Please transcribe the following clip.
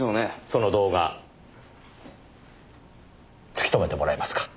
その動画つきとめてもらえますか？